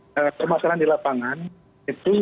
nah permasalahan di lapangan itu